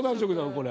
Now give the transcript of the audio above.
これ。